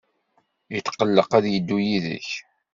Yetqelleq ad yeddu yid-k.